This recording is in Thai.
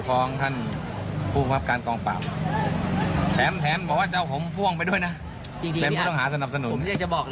สงสารน่ะเขาเหมือนกับว่าโดนหลอกอ่ะตอนเนี้ย